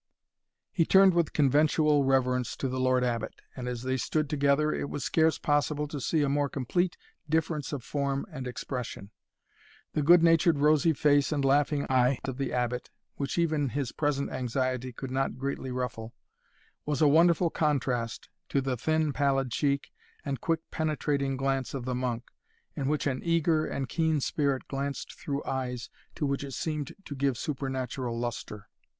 He turned with conventual reverence to the Lord Abbot; and as they stood together, it was scarce possible to see a more complete difference of form and expression. The good natured rosy face and laughing eye of the Abbot, which even his present anxiety could not greatly ruffle, was a wonderful contrast to the thin pallid cheek and quick penetrating glance of the monk, in which an eager and keen spirit glanced through eyes to which it seemed to give supernatural lustre.